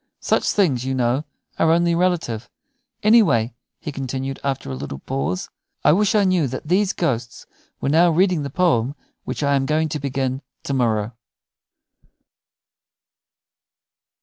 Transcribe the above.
Such things, you know, are only relative. Anyway," he continued, after a little pause, "I wish I knew that those ghosts were now reading the poem which I am going to begin to morrow."